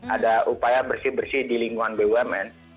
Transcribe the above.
ada upaya bersih bersih di lingkungan bumn